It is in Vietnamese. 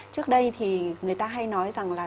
trước đây thì người ta hay nói rằng là